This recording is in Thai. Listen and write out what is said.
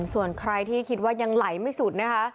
ส่วนใครที่คิดว่ายังไหลไม่สุดนะคะ